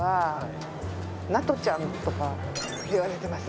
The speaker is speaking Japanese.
なとちゃんとか言われてますね。